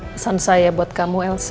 pesan saya buat kamu elsa